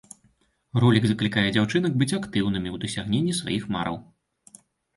Ролік заклікае дзяўчынак быць актыўнымі ў дасягненні сваіх мараў.